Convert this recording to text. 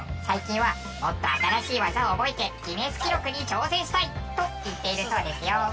最近はもっと新しい技を覚えてギネス記録に挑戦したいと言っているそうですよ。